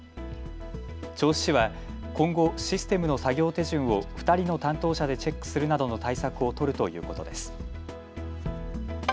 銚子市は今後、システムの作業手順を２人の担当者でチェックするなどの対策を取るということです。